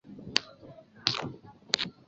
但香川真司仍留在大阪樱花。